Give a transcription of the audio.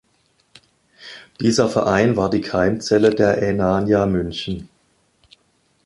Dieser Verein war die Keimzelle der Aenania München.